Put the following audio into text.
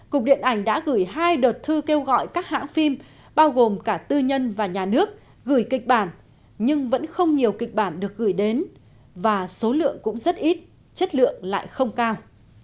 cục điện ảnh đã gửi hai đợt thư kêu gọi các hãng phim bao gồm cả tư nhân và nhà nước gửi kịch bản nhưng vẫn không nhiều kịch bản được gửi đến và số lượng cũng rất ít chất lượng lại không cao